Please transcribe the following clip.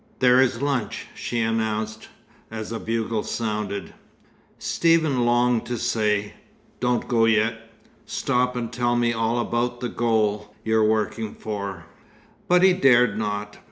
"There is lunch," she announced, as a bugle sounded. Stephen longed to say, "Don't go yet. Stop and tell me all about the 'goal' you're working for." But he dared not.